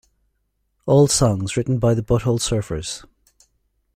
All songs written by the Butthole Surfers.